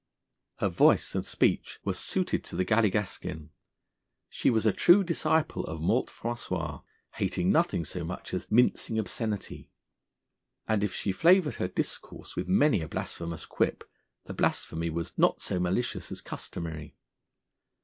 Her voice and speech were suited to the galligaskin. She was a true disciple of Maltre François, hating nothing so much as mincing obscenity, and if she flavoured her discourse with many a blasphemous quip, the blasphemy was 'not so malicious as customary.'